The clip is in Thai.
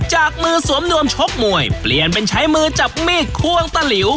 จากมือสวมนวมชกมวยเปลี่ยนเป็นใช้มือจับมีดควงตะหลิว